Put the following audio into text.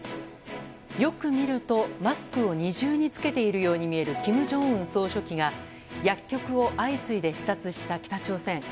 よく見るとマスクを二重に着けているように見える金正恩総書記が薬局を相次いで視察した北朝鮮。